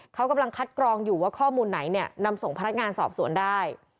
เขากำลังคัดกรองอยู่ว่าข้อมูลไหนเนี่ยนำส่งพนักงานสอบสวนได้